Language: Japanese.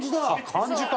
漢字か！